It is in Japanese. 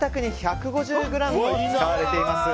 贅沢に１５０ｇを使われています。